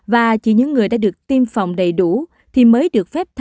và chỉ những người đã được tiêm phòng đầy đủ thì mới được phép thở